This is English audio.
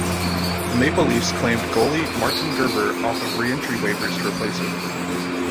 The Maple Leafs claimed goalie Martin Gerber off of re-entry waivers to replace him.